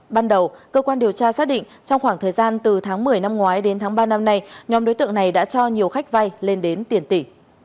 ban đầu cơ quan điều tra xác định trong khoảng thời gian từ tháng một mươi năm ngoái đến tháng ba năm nay nhóm đối tượng này đã cho nhiều khách vay lên đến tiền tỷ